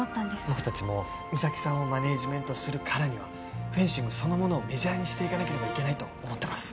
僕達も三咲さんをマネージメントするからにはフェンシングそのものをメジャーにしていかなければいけないと思ってます